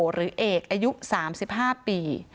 หรือเอกอายุ๓๕ปี